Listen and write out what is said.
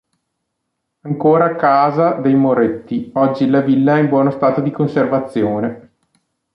Ancora casa dei Moretti, oggi la villa è in buono stato di conservazione.